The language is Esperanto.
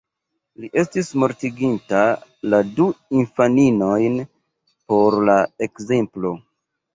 Li estis mortiginta la du infaninojn por la ekzemplo.